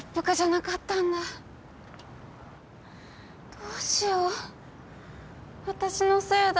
どうしよう私のせいだ。